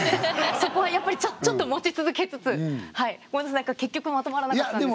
そこはやっぱりちょっと持ち続けつつごめんなさい結局まとまらなかったんですけど。